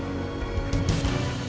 udah biarin aja